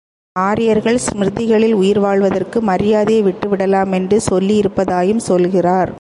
ஆரியர்கள் ஸ்மிருதிகளில் உயிர் வாழ்வதற்கு மரியாதையை விட்டு விடலாமென்று சொல்லியிருப்பதாயும் சொல்லுகிறார்.